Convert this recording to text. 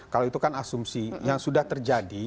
kalau itu kan asumsi yang sudah terjadi